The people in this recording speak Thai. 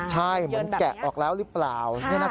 ใช่เหมือนแกะออกแล้วหรือเปล่า